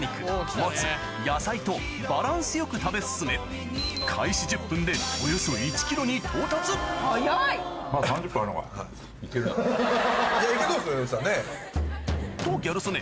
もつ野菜とバランスよく食べ進めおよそ１ｋｇに到達早い！とギャル曽根